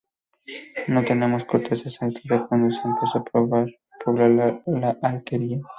No tenemos certeza exacta de cuando se empezó a poblar la alquería.